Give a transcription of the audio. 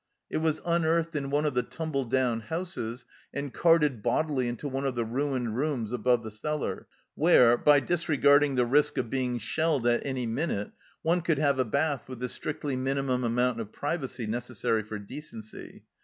It was unearthed in one of the tumble down houses, and carted bodily into one of the ruined rooms above the cellar, where, by disregarding the risk of being shelled at any minute, one could have a bath with the strictly minimum amount of privacy necessary for decency.